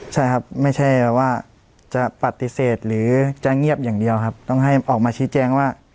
ใช่ครับไม่ใช่ว่าจะปฏิเสธหรือจะเงียบอย่างเดียวครับต้องให้ออกมาชี้แจงว่า